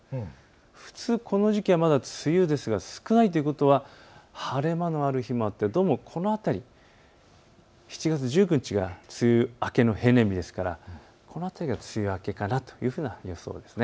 普通この時期はまだ梅雨ですが少ないということは晴れ間のある日もあってどうもこの辺り、７月１９日が梅雨明けの平年日ですからこの辺りが梅雨明けかなという予想です。